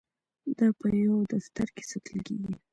دا په یو دفتر کې ساتل کیږي.